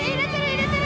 入れてる！